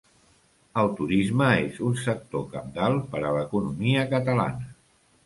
El turisme és un sector cabdal per a l'economia catalana.